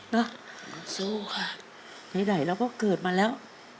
นะสู้ค่ะไหนเราก็เกิดมาแล้ว